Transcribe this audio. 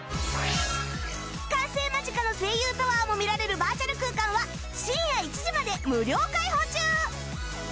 完成間近の声優タワーも見られるバーチャル空間は深夜１時まで無料開放中！